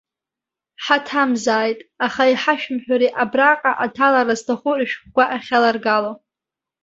Ҳаҭамзааит, аха иҳашәымҳәари абраҟа аҭалара зҭаху рышәҟәқәа ахьаларгало?